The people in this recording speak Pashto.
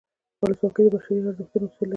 ولسواکي د بشري ارزښتونو اصول لري.